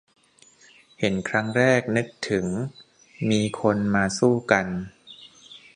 เห็นครั้งแรกนึกถึงมีคนมาสู้กัน